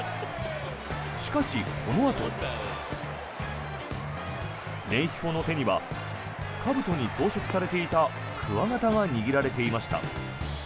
しかし、このあと。レンヒーフォの手にはかぶとに装飾されていたくわ形が握られていました。